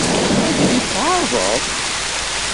Ad iyi-t-tɛeṛḍeḍ?